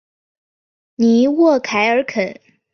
尼沃凯尔肯。